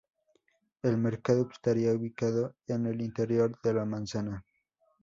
El mercado estaría ubicado en el interior de la manzana.